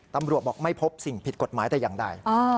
ตำรวจบอกไม่พบสิ่งผิดกฎหมายแต่อย่างใด